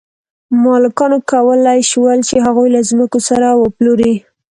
مالکانو کولی شول چې هغوی له ځمکو سره وپلوري.